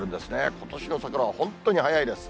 ことしの桜は本当に早いです。